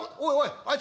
あいつは。